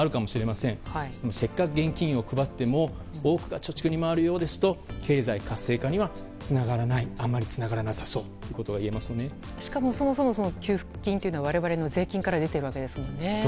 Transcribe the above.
せっかく現金を配っても多くが貯蓄に回るようですと経済活性化には、あまりつながらなさそうということがしかも、そもそも給付金は我々の税金から出ているわけですよね。